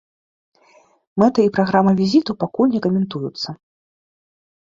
Мэты і праграма візіту пакуль не каментуюцца.